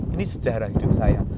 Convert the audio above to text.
ini sejarah hidup saya